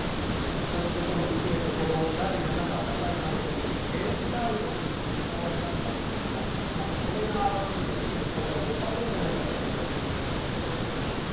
そういったところも含めて第７波高い感染力ケンタウロスに置き換わりつつあるんですがこれがワクチンとか抗体を突破するんじゃないかということでご紹介したいと思います。